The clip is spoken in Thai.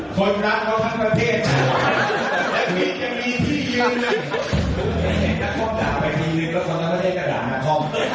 ออกอากาศเขาอ้วนเตรียมเขาก่อน